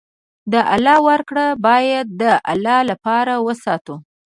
د الله ورکړه باید د الله لپاره وساتو.